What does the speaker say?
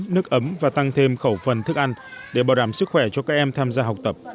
nước ấm và tăng thêm khẩu phần thức ăn để bảo đảm sức khỏe cho các em tham gia học tập